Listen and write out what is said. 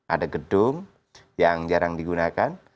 ada gedung yang jarang digunakan